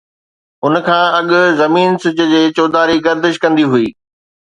ان کان اڳ زمين سج جي چوڌاري گردش ڪندي هئي.